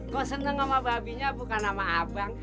kok seneng sama babinya bukan sama abang